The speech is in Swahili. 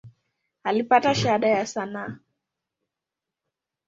Alipata Shahada ya sanaa.